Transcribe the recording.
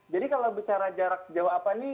jadi kalau bicara jarak sejauh apa nih